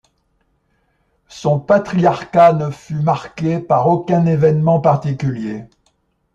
Son patriarcat ne fut marqué par aucun évènement particulier.